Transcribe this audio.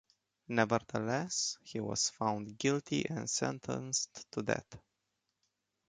Nevertheless, he was found guilty and sentenced to death.